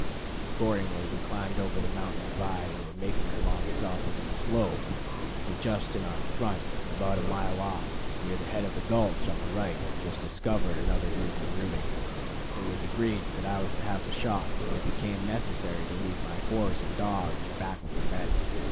Accordingly, we climbed over the mountain divide and were making along its opposite slope, when just in our front about a mile off, near the head of the gulch on the right, was discovered another grizzly rooting. It was agreed that I was to have the shot, and it became necessary to leave my horse and dogs back with the men.